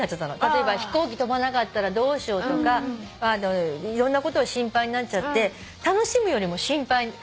例えば飛行機飛ばなかったらどうしようとかいろんなこと心配になっちゃって楽しむよりも心配が出たの。